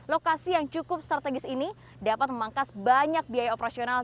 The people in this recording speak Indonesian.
lokasi yang cukup strategis ini dapat memangkas banyak biaya operasional